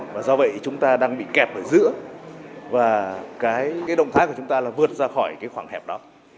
và do vậy chúng ta đang bị kẹp ở giữa và cái động thái của chúng ta là vượt ra khỏi cái khoảng hẹp đó